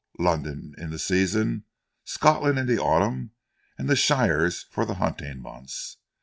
London in the season, Scotland in the autumn, and the shires for the hunting months.